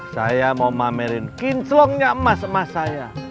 saya mau mamerin kincuangnya emas emas saya